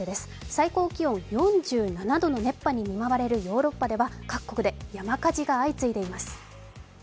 最高気温４７度の熱波に見舞われるヨーロッパでは各国で、山火事が相次いでいます。